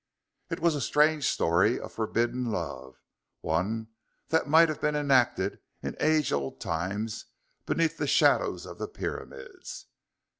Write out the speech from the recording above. It was a strange story of forbidden love, one that might have been enacted in age old times beneath the shadows of the pyramids.